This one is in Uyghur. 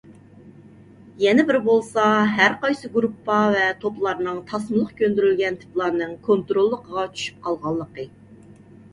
يەنە بىرى بولسا، ھەرقايسى گۇرۇپپا ۋە توپلارنىڭ تاسمىلىق كۆندۈرۈلگەن تىپلارنىڭ كونتروللۇقىغا چۈشۈپ قالغانلىقى.